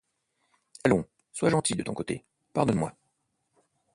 Allons, sois gentil de ton côté, pardonne-moi.